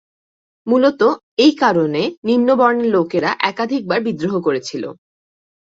মূলতঃ এই কারণে নিম্ন বর্ণের লোকরা একাধিকবার বিদ্রোহ করেছিল।